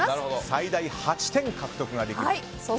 最大８点獲得ができると。